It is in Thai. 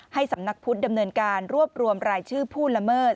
สำนักพุทธดำเนินการรวบรวมรายชื่อผู้ละเมิด